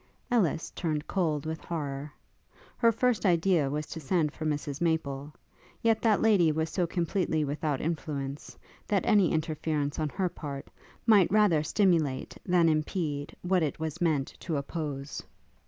Ellis turned cold with horrour. Her first idea was to send for Mrs Maple; yet that lady was so completely without influence, that any interference on her part, might rather stimulate than impede what it was meant to oppose.